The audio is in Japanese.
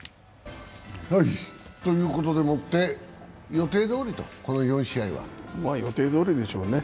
予定どおりと、この４試合は。まあ予定どおりでしょうね。